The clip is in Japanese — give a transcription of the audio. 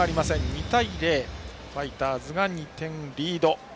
２対０とファイターズが２点リード。